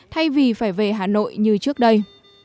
thay vì phải về hà nội như trước đây